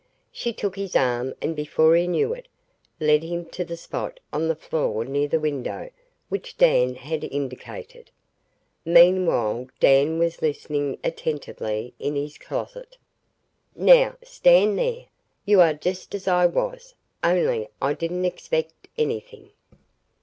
She took his arm and before he knew it, led him to the spot on the floor near the window which Dan had indicated. Meanwhile Dan was listening attentively in his closet. "Now stand there. You are just as I was only I didn't expect anything."